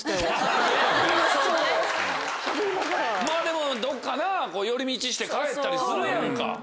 まぁでもどっか寄り道して帰ったりするやんか。